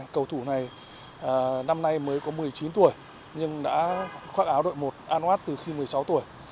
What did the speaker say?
cầu thủ này năm nay mới có một mươi chín tuổi nhưng đã khoác áo đội một anwatt từ khi một mươi sáu tuổi